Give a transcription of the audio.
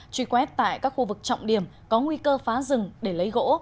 truy quét tại các khu vực trọng điểm có nguy cơ phá rừng để lấy gỗ